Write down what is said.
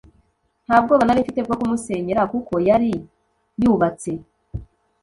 nta bwoba nari mfite bwo kumusenyera kuko yari yubatse